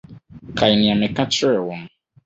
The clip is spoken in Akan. Kae nea meka kyerɛɛ wo no.